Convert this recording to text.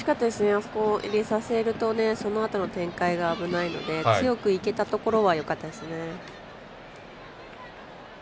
あそこを入れさせるとそのあとの展開が危ないので強くいけたところはよかったですね。